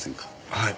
はい。